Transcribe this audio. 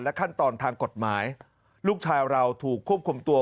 ขั้นตอนทางกฎหมายลูกชายเราถูกควบคุมตัว